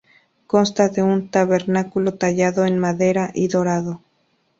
Consta de un tabernáculo tallado en madera y dorado.